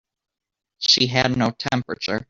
She had no temperature.